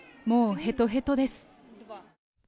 もうへとへとです。